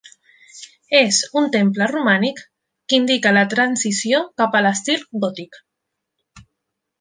És un temple romànic que indica la transició cap a l'estil gòtic.